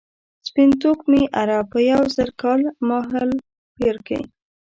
سپین توکمي عرب په یو زر کال مهالپېر کې.